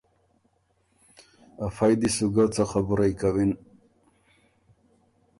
افئ دی سو ګۀ څه خبُرئ کَوِن۔